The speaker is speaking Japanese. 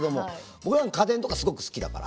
僕なんか家電とかすごく好きだから。